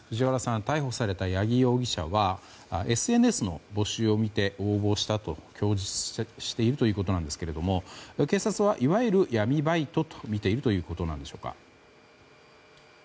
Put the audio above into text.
逮捕された八木容疑者はＳＮＳの募集を見て応募をしたと供述しているということですが警察はいわゆる闇バイトとみているということなんでしょうか。